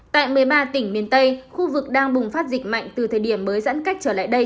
tại một mươi ba tỉnh miền tây khu vực đang bùng phát dịch mạnh từ thời điểm mới giãn cách trở lại đây